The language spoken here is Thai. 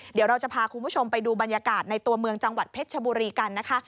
เดี๋ยวเราจะพาคุณผู้ชมไปดูบรรยากาศในตัวเมืองจังหวัดเพชรชบุรีกันนะคะ